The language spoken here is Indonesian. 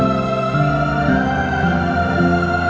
aku mau denger